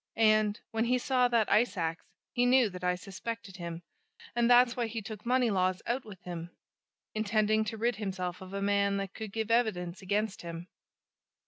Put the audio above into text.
And when he saw that ice ax, he knew that I suspected him, and that's why he took Moneylaws out with him, intending to rid himself of a man that could give evidence against him.